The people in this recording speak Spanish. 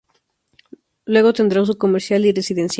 Luego tendrá uso comercial y residencial.